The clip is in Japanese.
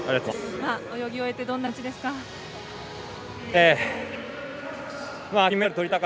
今、泳ぎ終えてどんな気持ちですか？